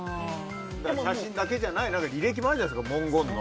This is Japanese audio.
写真だけじゃない履歴もあるじゃないですか。